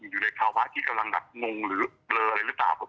อยู่ในภาวะที่กำลังแบบงงหรือเบลออะไรหรือเปล่า